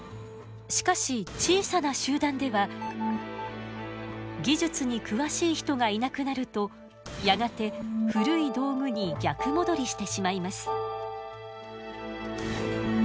しかし小さな集団では技術に詳しい人がいなくなるとやがて古い道具に逆戻りしてしまいます。